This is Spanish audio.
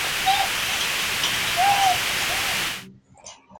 La editorial hizo varias referencias a la reunificación de Corea.